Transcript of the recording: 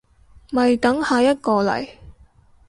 咪等下一個嚟